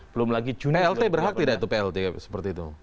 plt berhak tidak itu